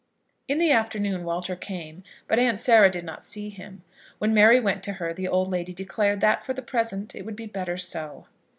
In the afternoon Walter came, but Aunt Sarah did not see him. When Mary went to her the old lady declared that, for the present, it would be better so.